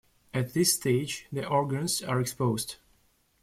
At this stage the organs are exposed.